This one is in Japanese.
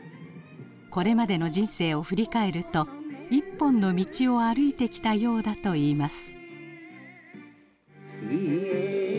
これまでの人生を振り返ると一本の道を歩いてきたようだと言います。